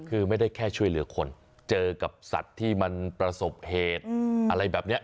คือไม่ได้แค่ช่วยเหลือคนเจอกับสัตว์ที่มันประสบเหตุอะไรแบบนี้